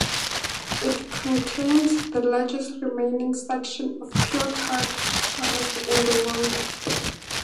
It contains the largest remaining section of pure tuart forest in the world.